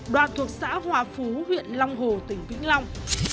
đoạn thuộc xã hòa phú huyện long hồ tỉnh vĩnh long